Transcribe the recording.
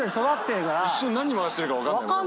一瞬何回してるか分かんない。